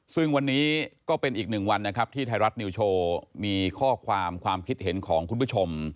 ซึ่งวันนี้ก็เป็นอีกหนึ่งวันนะครับที่ไทยรัฐนิวโชว์มีข้อความความคิดเห็นของคุณผู้ชม